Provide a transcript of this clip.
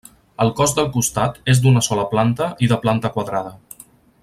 El cos del costat, és d'una sola planta i de planta quadrada.